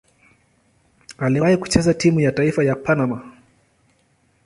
Aliwahi kucheza timu ya taifa ya Panama.